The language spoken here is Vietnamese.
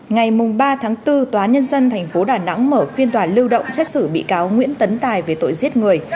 ngày ba bốn tòa nhân dân tp đà nẵng mở phiên tòa lưu động xét xử bị cáo nguyễn tấn tài về tội giết người